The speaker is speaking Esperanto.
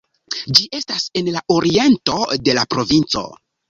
Ĝi estas en la oriento de la provinco.